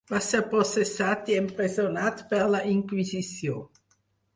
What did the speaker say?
Va ser processat i empresonat per la Inquisició.